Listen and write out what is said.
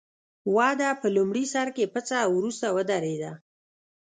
وده په لومړي سر کې پڅه او وروسته ودرېده.